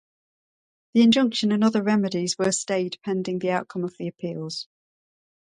The injunction and other remedies were stayed pending the outcome of the appeals.